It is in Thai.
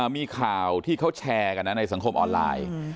มีข่าวที่เขาแชร์กันนะในสังคมออนไลน์